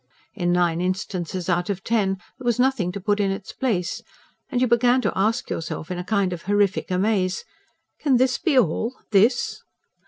In nine instances out of ten there was nothing to put in its place; and you began to ask yourself in a kind of horrific amaze: "Can this be all? ... THIS?